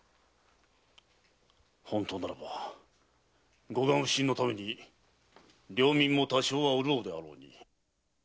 本当ならば護岸普請のために領民も多少は潤うであろうに。